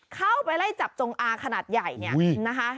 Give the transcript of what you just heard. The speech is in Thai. เข้าไปไล่จับจงอาขนาดใหญ่เนี่ยนะคะ